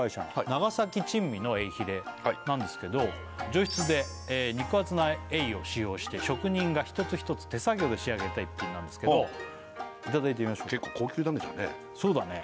長崎珍味のエイヒレなんですけど上質で肉厚なエイを使用して職人が一つ一つ手作業で仕上げた逸品なんですけどいただいてみましょうそうだね